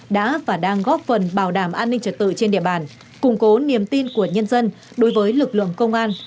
đã và đang góp phần bảo đảm an ninh trật tự trên địa bàn củng cố niềm tin của nhân dân đối với lực lượng công an